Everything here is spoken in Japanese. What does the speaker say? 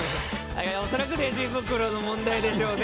恐らくレジ袋の問題でしょうね。